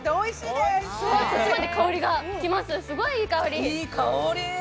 すごいいい香り！